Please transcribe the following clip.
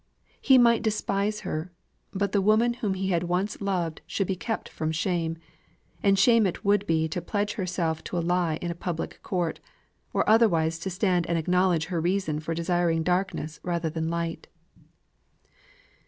He might despise her, but the woman whom he had once loved should be kept from shame; and shame it would be to pledge herself to a lie in a public court, or otherwise to stand and acknowledge her reason for desiring darkness rather than light.